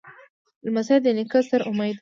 لمسی د نیکه ستر امید وي.